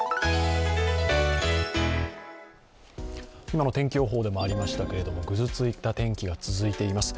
今の天気予報でもありましたけれどもぐずついた天気が続いています。